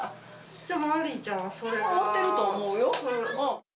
じゃあ、まりいちゃんはそれを持ってると思うよ。